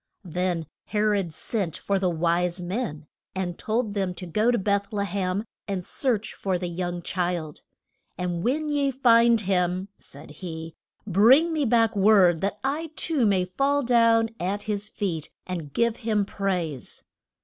Then He rod sent for the wise men, and told them to go to Beth le hem, and search for the young child. And when ye find him, said he, bring me back word that I too may fall down at his feet and give him praise.